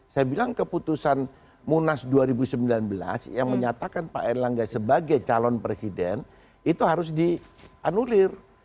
saya bilang keputusan munas dua ribu sembilan belas yang menyatakan pak erlangga sebagai calon presiden itu harus dianulir